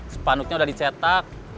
spanduknya udah dicetak